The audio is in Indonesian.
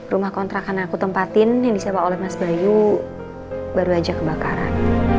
rumah kontrakan yang aku tempatin yang disewa oleh mas bayu baru aja kebakaran